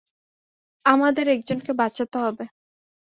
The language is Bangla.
আমাদের একজনকে বাঁচতে হবে।